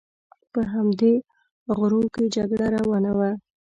په همدې غرو کې جګړه روانه وه.